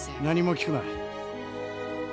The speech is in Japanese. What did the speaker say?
何も聞くな。